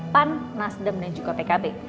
pan nasdem dan juga pkb